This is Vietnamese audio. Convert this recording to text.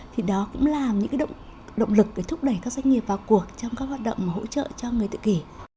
thì đó cũng là những động lực để thúc đẩy các doanh nghiệp vào cuộc trong các hoạt động hỗ trợ cho người tự kỷ